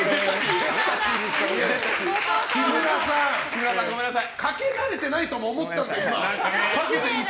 木村さん、ごめんなさい。